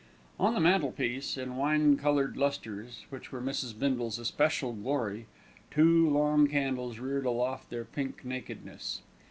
On the mantelpiece, in wine coloured lustres, which were Mrs. Bindle's especial glory, two long candles reared aloft their pink nakedness.